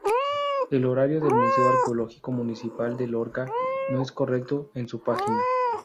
El horario del Museo Arqueológico Municipal de Lorca no es correcto en su página.